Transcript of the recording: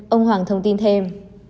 ông hoàng thông tin thêm